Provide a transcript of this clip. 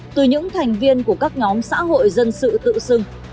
từ những thành viên của các dân tộc